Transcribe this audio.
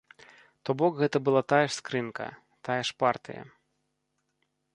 То бок гэта была тая ж скрынка, тая ж партыя.